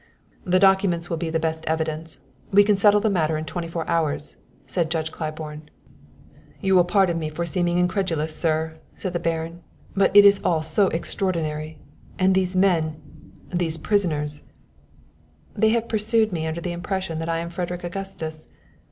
"The documents will be the best evidence. We can settle the matter in twenty four hours," said Judge Claiborne. "You will pardon me for seeming incredulous, sir," said the Baron, "but it is all so extraordinary. And these men, these prisoners " "They have pursued me under the impression that I am Frederick Augustus.